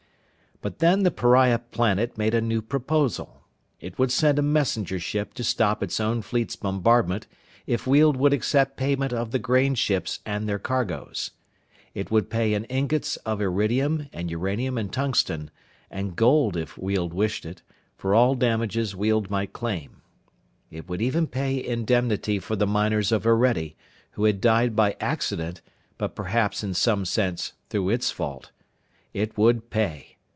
But then the pariah planet made a new proposal. It would send a messenger ship to stop its own fleet's bombardment if Weald would accept payment of the grain ships and their cargos. It would pay in ingots of irridium and uranium and tungsten, and gold if Weald wished it, for all damages Weald might claim. It would even pay indemnity for the miners of Orede, who had died by accident but perhaps in some sense through its fault. It would pay.